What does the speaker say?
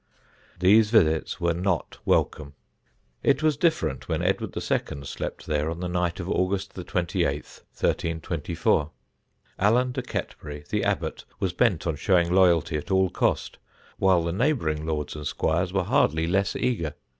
These visits were not welcome. It was different when Edward II. slept there on the night of August 28th, 1324. Alan de Ketbury, the Abbot, was bent on showing loyalty at all cost, while the neighbouring lords and squires were hardly less eager.